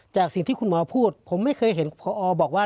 จากสิ่งที่คุณหมอพูดผมไม่เคยเห็นพอบอกว่า